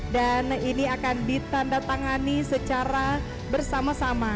dan ini akan ditandatangani secara bersama sama